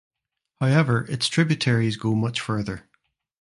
However its tributaries go much further.